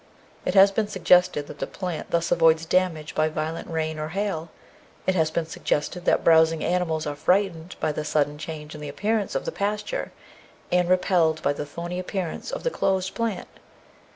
It has been suggested that the plant thus avoids damage by violent rain or hail. It has been suggested that browsing animals are frightened by the sudden change in the appearance of their pasture and repelled by the thorny appearance of the closed plant.